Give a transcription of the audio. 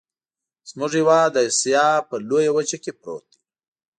زمونږ هیواد د اسیا په لویه وچه کې پروت دی.